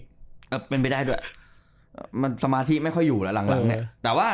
ข้อมูลยอมเป็นไปได้ด้วยสมาธิไม่ค่อยอยู่หลังเนี่ย